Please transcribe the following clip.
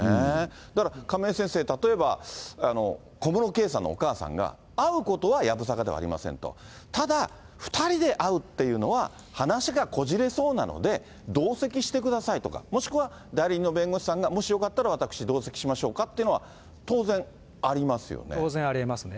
だから、亀井先生、例えば、小室圭さんのお母さんが、会うことはやぶさかではありませんと。ただ、２人で会うっていうのは話がこじれそうなので、同席してくださいとか、もしくは、代理人の弁護士さんが、もしよかったら、私、同席しましょうかっていうの当然、ありえますね。